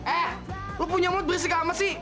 eh lo punya mulut berisik amat sih